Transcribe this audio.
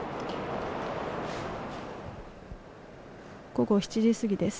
午後７時過ぎです。